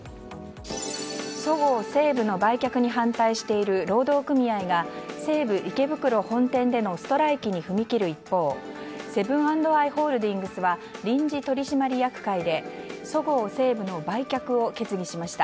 そごう・西武の売却に反対している労働組合が、西武池袋本店でのストライキに踏み切る一方セブン＆アイ・ホールディングスは臨時取締役会でそごう・西武の売却を決議しました。